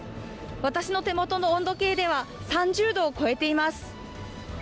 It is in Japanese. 私の手元の温度計では、３０度を超えています。